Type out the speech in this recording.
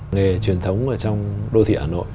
nghề truyền thống ở trong đô thị hà nội